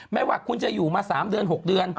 ไม่ว่าคุณจะอยู่มา๓เดือน๖เดือน